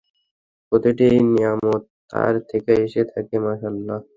প্রতিটি নিয়ামত তার থেকেই এসে থাকে—মাশাআল্লাহ।